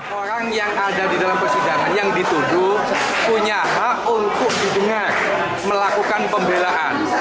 pssi dituduh punya hak untuk didengar melakukan pembelaan